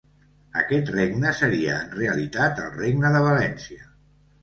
Aquest regne seria, en realitat, el Regne de València.